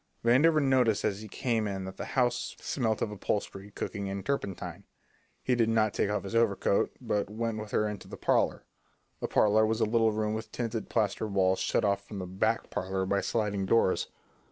Vandover noticed as he came in that the house smelt of upholstery, cooking, and turpentine. He did not take off his overcoat, but went with her into the parlour. The parlour was a little room with tinted plaster walls shut off from the "back parlour" by sliding doors.